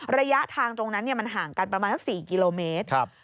ระยะทางตรงนั้นมันห่างกันประมาณสัก๔กิโลเมตร